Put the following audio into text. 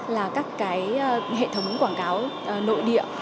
là các cái hệ thống quảng cáo nội địa